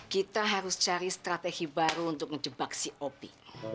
kita harus cari strategi baru untuk ngejebak si op